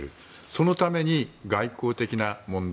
そのために外交的な問題